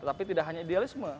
tetapi tidak hanya idealisme